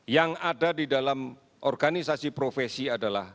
yang ada di dalam organisasi profesi adalah